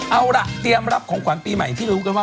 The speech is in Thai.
เอาระก็เรียกงานของขวานปีใหม่ที่เรารู้ว่า